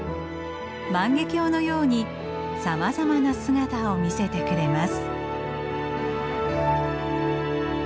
万華鏡のようにさまざまな姿を見せてくれます。